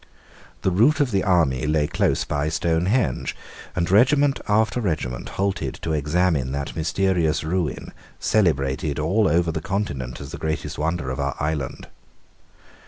The route of the army lay close by Stonehenge; and regiment after regiment halted to examine that mysterious ruin, celebrated all over the Continent as the greatest wonder of our island.